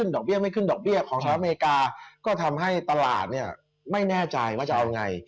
ดอกเบี้ยไม่ขึ้นดอกเบี้ยของสหรัฐอเมริกาก็ทำให้ตลาดเนี่ยไม่แน่ใจว่าจะเอาไง